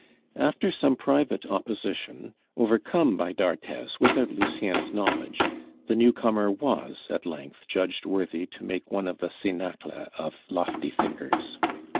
After some private opposition, overcome by d'Arthez without Lucien's knowledge, the newcomer was at length judged worthy to make one of the cenacle of lofty thinkers.